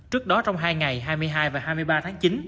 trước đó trong hai ngày hai mươi hai và hai mươi ba tháng chín